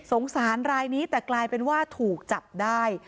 สารรายนี้แต่กลายเป็นว่าถูกจับได้